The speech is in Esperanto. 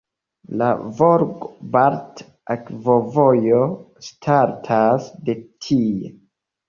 La Volgo-Balta Akvovojo startas de tie.